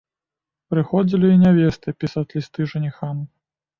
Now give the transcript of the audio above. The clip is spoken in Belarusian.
Прыходзілі і нявесты пісаць лісты жаніхам.